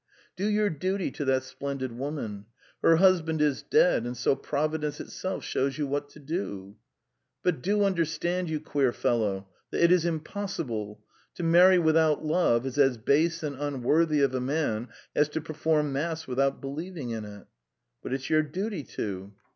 "Do your duty to that splendid woman! Her husband is dead, and so Providence itself shows you what to do!" "But do understand, you queer fellow, that it is impossible. To marry without love is as base and unworthy of a man as to perform mass without believing in it." "But it's your duty to."